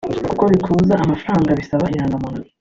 kuko kubikuza amafaranga bisaba irangamuntu